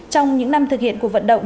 trong những năm thực hiện cuộc vận động